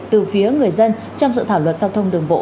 từ phía người dân trong dự thảo luật giao thông đường bộ